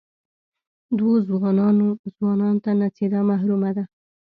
دوو ځوانان ته نڅېدا محرمه ده.